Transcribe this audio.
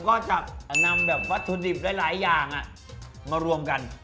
ก็จะนำประสุทธิ์ดิบหลายอย่างมารวมกัน